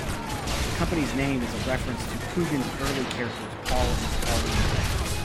The company's name is a reference to Coogan's early characters Paul and Pauline Calf.